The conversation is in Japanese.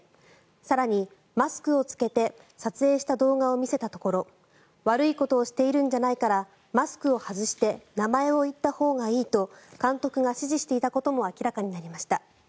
更にマスクを着けて撮影した動画を見せたところ悪いことをしているんじゃないからマスクを外して名前を言ったほうがいいと監督が指示していたことも明らかになりました。